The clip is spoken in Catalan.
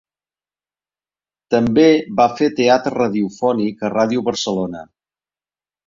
També va fer teatre radiofònic a Ràdio Barcelona.